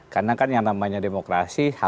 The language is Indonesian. karena kan yang namanya demokrasi